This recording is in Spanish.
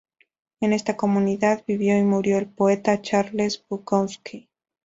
En esta comunidad vivió y murió el poeta Charles Bukowski.